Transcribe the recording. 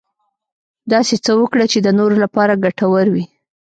داسې څه وکړه چې د نورو لپاره ګټور وي .